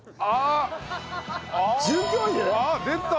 あっ！